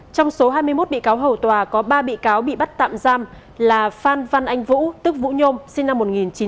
trong số hai mươi một bị cáo hầu tòa có ba bị cáo bị bắt tạm giam là phan văn anh vũ tức vũ nhôm sinh năm một nghìn chín trăm tám mươi